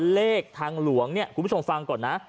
เลขทางหลวงเนี่ยคุณผู้ชมฟังก่อนนะ